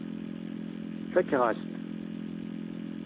Fakeɣ-as-t.